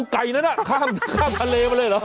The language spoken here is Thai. ไก่นั้นข้ามทะเลมาเลยเหรอ